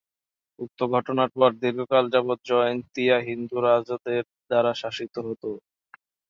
উক্ত ঘটনার পর দীর্ঘকাল যাবত জয়ন্তীয়া হিন্দু রাজাদের দ্বারা শাসিত হতো।